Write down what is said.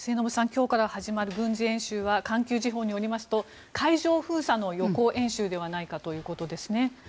今日から始まる軍事演習は環球時報によりますと海上封鎖の予行演習ではないかということですね。